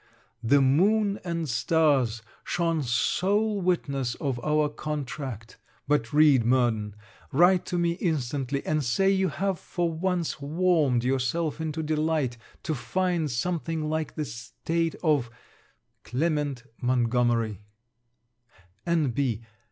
The moon and stars shone sole witnesses of our contract! But read, Murden. Write to me instantly, and say you have for once warmed yourself into delight, to find something like the state of CLEMENT MONTGOMERY _N.B.